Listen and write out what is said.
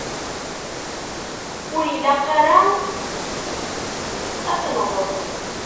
Ur ilaq ara ad tenɣeḍ.